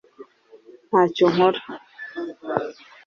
ntacyo nkora